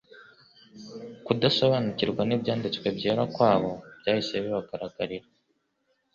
Kudasobanukirwa n'Ibyanditswe byera kwabo byahise bibagaragarira,